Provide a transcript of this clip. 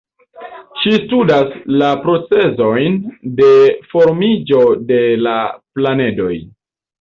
Ŝi studas la procezojn de formiĝo de la planedoj.